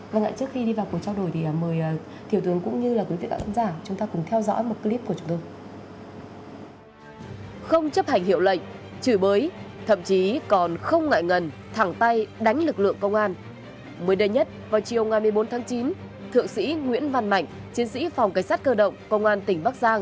vâng ạ trước khi đi vào cuộc trao đổi thì mời thiểu tướng cũng như quý vị các khán giả